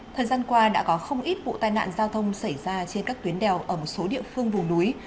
thời gian qua đã có không ít vụ tai nạn giao thông xảy ra trên các tuyến đèo ở một số địa phương vùng núi